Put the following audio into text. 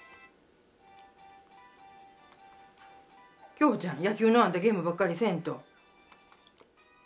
京ちゃん野球のあんたゲームばっかりせんと。